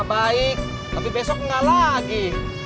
baik tapi besok nggak lagi